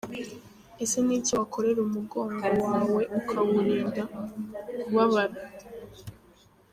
Ese ni iki wakorera umugongo wawe ukawurinda kubabara?.